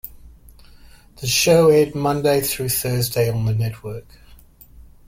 The show aired Monday through Thursday on the network.